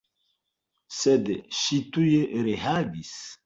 Sed ŝi tuj reagis.